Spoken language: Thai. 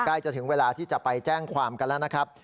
ใกล้จะถึงเวลาที่จะไปแจ้งความกันแล้วนะครับ